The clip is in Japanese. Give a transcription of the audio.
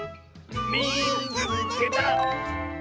「みいつけた！」。